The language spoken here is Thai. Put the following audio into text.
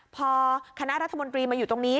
พอคณะรัฐมนตรีมาอยู่ตรงนี้